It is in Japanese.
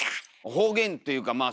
方言っていうかまあ